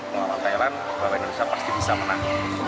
melawan thailand bahwa indonesia pasti bisa menang